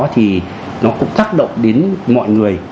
thì nó cũng tác động đến mọi người